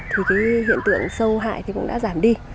thì cái hiện tượng sâu hại thì cũng đã giảm đi